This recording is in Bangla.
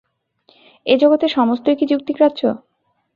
এ জগতের সমস্তই কি যুক্তিগ্রাহ্য?